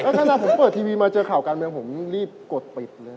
ขณะผมเปิดทีวีมาเจอข่าวการเมืองผมรีบกดปิดเลย